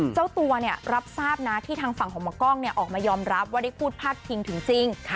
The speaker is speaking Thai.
เจ้าตัวรับทราบนะที่ทางฝั่งของหมอกล้องออกมายอมรับว่าได้พูดพาดพิงถึงจริง